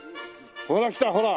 ほら来たほら。